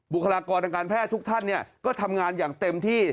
คลากรทางการแพทย์ทุกท่านก็ทำงานอย่างเต็มที่